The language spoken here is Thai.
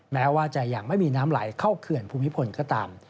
แม้ว่าจะยังไม่มีน้ำไหลเข้าเขื่อนภูมิพลก็ตาม